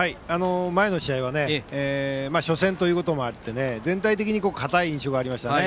前の試合は初戦ということもあって全体的に硬い印象がありました。